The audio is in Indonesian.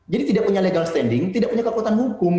jadi tidak punya standing legal tidak punya kekuatan hukum